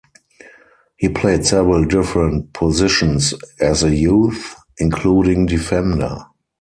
He played several different positions as a youth, including defender.